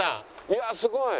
いやすごい。